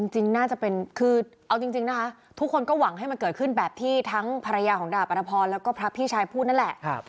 จริงน่าจะเป็นคือเอาจริงนะคะทุกคนก็หวังให้มันเกิดขึ้นแบบที่ทั้งภรรยาของดาบอัตภพรแล้วก็พระพี่ชายพูดนั่นแหละ